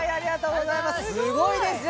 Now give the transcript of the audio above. すごいですよ！